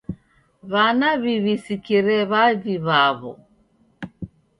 W'ana w'iw'isikire w'avi w'aw'o.